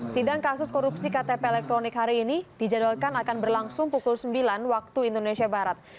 sidang kasus korupsi ktp elektronik hari ini dijadwalkan akan berlangsung pukul sembilan waktu indonesia barat